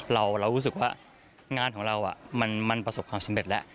เรารู้สึกว่างานของเรามันประสบความสำเร็จแล้ว